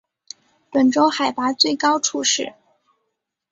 本州海拔最高处是。